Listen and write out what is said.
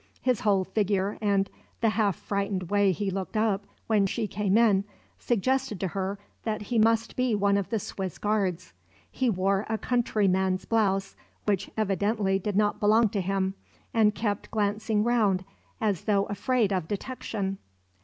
His whole figure and the half frightened way he looked up when she came in, suggested to her that he must be one of the Swiss guards. He wore a countryman's blouse, which evidently did not belong to him, and kept glancing round as though afraid of detection.